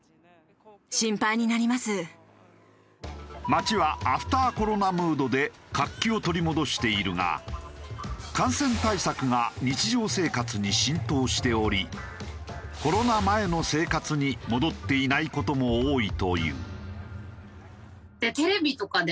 街はアフターコロナムードで活気を取り戻しているが感染対策が日常生活に浸透しておりコロナ前の生活に戻っていない事も多いという。